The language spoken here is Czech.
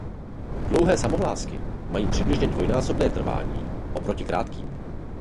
Dlouhé samohlásky mají přibližně dvojnásobné trvání oproti krátkým.